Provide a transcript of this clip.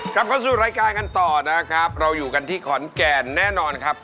กลับเข้าสู่รายการกันต่อนะครับเราอยู่กันที่ขอนแก่นแน่นอนครับ